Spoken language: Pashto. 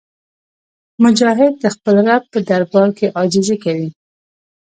مجاهد د خپل رب په دربار کې عاجزي کوي.